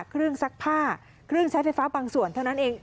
ซักผ้าเครื่องใช้ไฟฟ้าบางส่วนเท่านั้นเอง